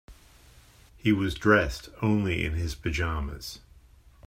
He was dressed only in his pajamas.